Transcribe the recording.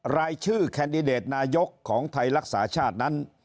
รายชื่อแคนดิเดตนายกของไทยรักษาชาตินั้น